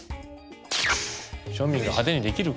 庶民が派手にできるか？